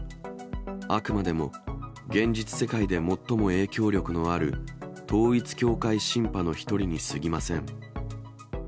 あくまでも現実世界で最も影響力のある統一教会シンパの一人にすぎません。